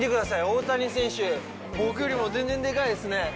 大谷選手、僕よりも全然でかいですね。